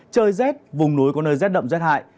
trời rét vùng núi có nơi rét đậm rét hại